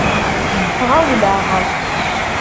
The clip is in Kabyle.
Ɣawleɣ.